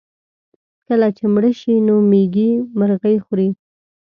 کله چې مړه شي نو مېږي مرغۍ خوري.